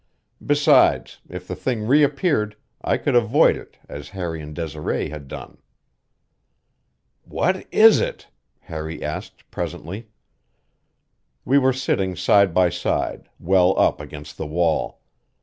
Besides, if the thing reappeared I could avoid it as Harry and Desiree had done. "What is it?" Harry asked presently. We were sitting side by side, well up against the wall.